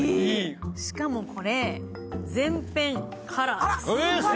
しかもこれ、全編カラーです。